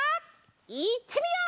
いってみよう！